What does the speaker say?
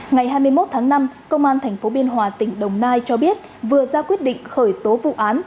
ngày hai mươi một tháng năm công an tp biên hòa tỉnh đồng nai cho biết vừa ra quyết định khởi tố vụ án